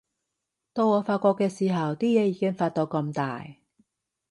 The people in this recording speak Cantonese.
到我發覺嘅時候，啲嘢已經發到咁大